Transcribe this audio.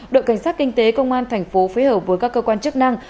đội cảnh sát kinh tế công an thành phố phối hợp với các cơ quan chức năng